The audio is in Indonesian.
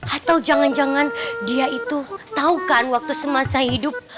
atau jangan jangan dia itu tahu kan waktu semasa hidup